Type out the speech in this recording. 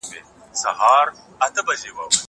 زه درسونه اورېدلي دي!